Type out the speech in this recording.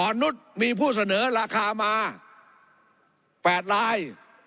อ่อนนุษย์มีผู้เสนอราคามาแปดลาย